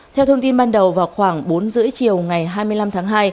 theo thông tin ban đầu vào khoảng bốn rưỡi chiều ngày hai mươi năm tháng hai